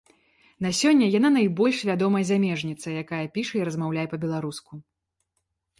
На сёння яна найбольш вядомая замежніца, якая піша і размаўляе па-беларуску.